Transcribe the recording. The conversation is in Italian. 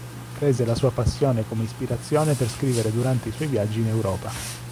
Prese la sua passione come ispirazione per scrivere durante i suoi viaggi in Europa.